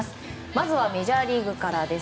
まずはメジャーリーグからです。